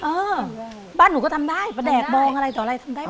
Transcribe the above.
เออบ้านหนูก็ทำได้ประแดกมองอะไรต่ออะไรทำได้